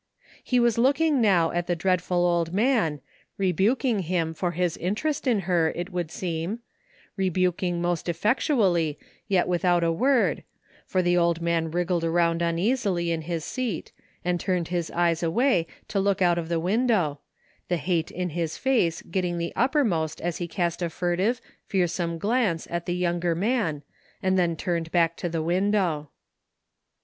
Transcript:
He was looking now at the 9 THE FINDING OF JASPER HOLT dreadftd old man, rebiiking him for his interest in her it would seem, rebuking most effectually yet without a word, for the old man wriggled around uneasily in his seat and turned his eyes away to look out of the win dow, the hate in his face getting the uppermost as he cast a f tutive, fearsome glance at the younger man and then turned back to the window.